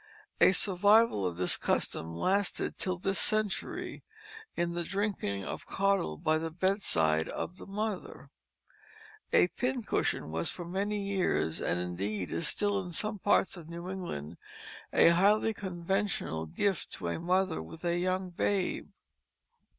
A survival of this custom lasted till this century in the drinking of caudle by the bedside of the mother. A pincushion was for many years and indeed is still in some parts of New England a highly conventional gift to a mother with a young babe.